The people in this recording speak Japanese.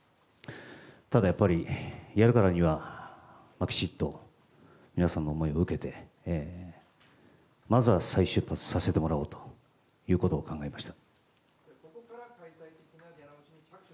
ただやっぱり、やるからにはきちっと皆さんの思いを受けて、まずは再出発させてもらおうということを考えました。